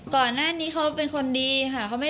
ก่อนหน้านี้เขาเป็นคนดีค่ะ